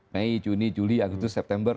mei juni juli agustus september